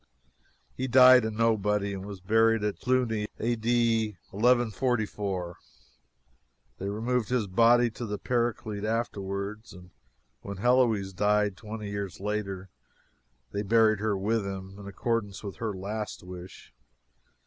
He died a nobody, and was buried at Cluny, A.D., 1144. They removed his body to the Paraclete afterward, and when Heloise died, twenty years later, they buried her with him, in accordance with her last wish.